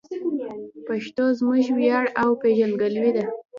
پښتو زموږ ویاړ او پېژندګلوي ده.